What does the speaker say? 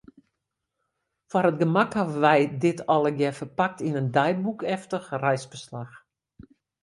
Foar it gemak hawwe wy dit allegearre ferpakt yn in deiboekeftich reisferslach.